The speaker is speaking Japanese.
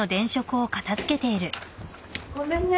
ごめんね。